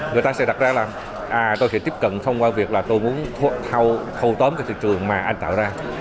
người ta sẽ đặt ra là tôi sẽ tiếp cận thông qua việc tôi muốn thâu tóm thị trường mà anh tạo ra